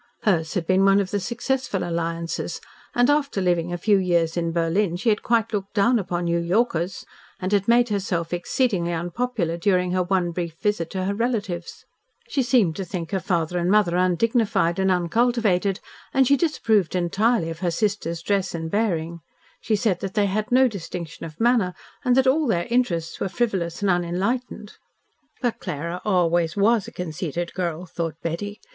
Hers had been one of the successful alliances, and after living a few years in Berlin she had quite looked down upon New Yorkers, and had made herself exceedingly unpopular during her one brief visit to her relatives. She seemed to think her father and mother undignified and uncultivated, and she disapproved entirely of her sisters dress and bearing. She said that they had no distinction of manner and that all their interests were frivolous and unenlightened. "But Clara always was a conceited girl," thought Betty.